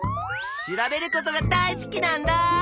調べることが大好きなんだ！